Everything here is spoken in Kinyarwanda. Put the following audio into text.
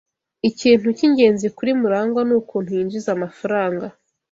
Ikintu cyingenzi kuri MuragwA nukuntu yinjiza amafaranga.